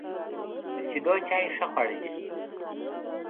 د شیدو چای ښه خواړه دي.